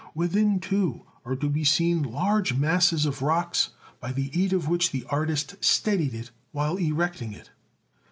Within, too, are to be seen large masses of rocks, by the aid of which the artist steadied it while erecting it.